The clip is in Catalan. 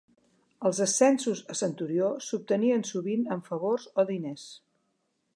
Els ascensos a centurió s'obtenien sovint amb favors o diners.